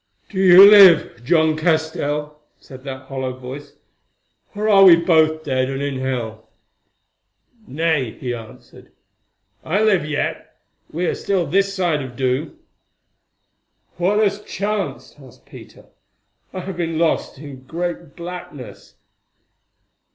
"Do you live, John Castell?" said that hollow voice, "or are we both dead and in hell?" "Nay," he answered, "I live yet; we are still this side of doom." "What has chanced?" asked Peter. "I have been lost in a great blackness."